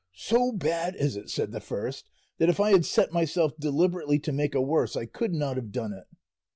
'So bad is it,' said the first, 'that if I had set myself deliberately to make a worse, I could not have done it.